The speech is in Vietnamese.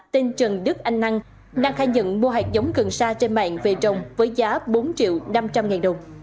tên trần đức anh năng năng khai nhận mua hạt giống cần sa trên mạng về trồng với giá bốn triệu năm trăm linh ngàn đồng